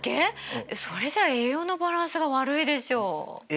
それじゃ栄養のバランスが悪いでしょ。